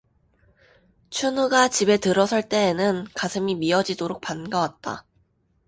춘우가 집에 들어설 때에는 가슴이 미어지도록 반가왔다.